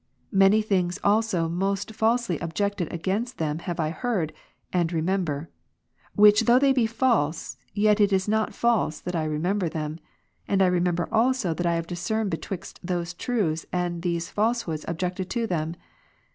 Many things also most falsely objected against them have I heard, and remember ; which though they be false, yet is it not false that I remember them ; and I remember also that I have discerned betwixt those truths and these falsehoods objected to them.